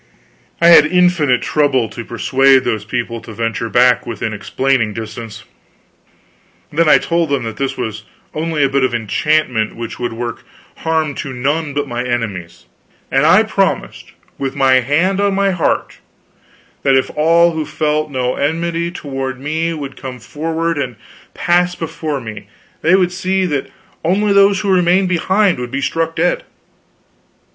I had infinite trouble to persuade those people to venture back within explaining distance. Then I told them that this was only a bit of enchantment which would work harm to none but my enemies. And I promised, with my hand on my heart, that if all who felt no enmity toward me would come forward and pass before me they should see that only those who remained behind would be struck dead.